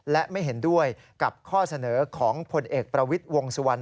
และไม่เห็นด้วยกับข้อเสนอของผลเอกประวิทย์วงสุวรรณ